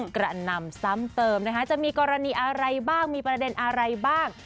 กระนำซ้ำเติมนะคะจะมีกรณีอะไรบ้างมีประเด็นอะไรบ้าง